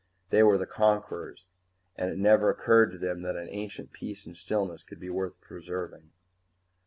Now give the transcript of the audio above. They were the conquerors, and it never occurred to them that an ancient peace and stillness could be worth preserving.